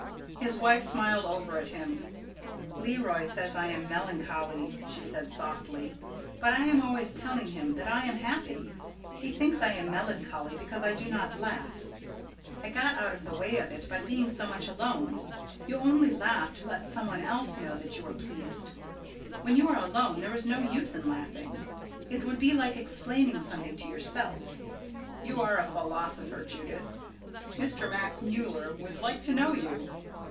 His wife smiled over at him. "Leroy says I am melancholy," she said, softly; "but I am always telling him that I am happy. He thinks I am melancholy because I do not laugh. I got out of the way of it by being so much alone. You only laugh to let some one else know you are pleased. When you are alone there is no use in laughing. It would be like explaining something to yourself." "You are a philosopher, Judith. Mr. Max Mueller would like to know you."